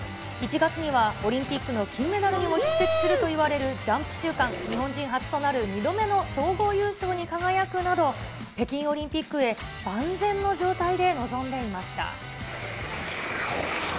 １月には、オリンピックの金メダルにも匹敵するといわれるジャンプ週間、日本人初となる２度目の総合優勝に輝くなど、北京オリンピックへ万全の状態で臨んでいました。